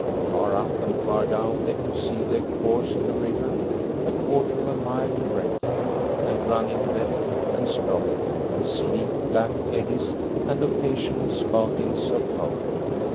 Far up and far down they could see the course of the river, a quarter of a mile in breadth, and running very deep and strong, with sleek black eddies and occasional spoutings of foam.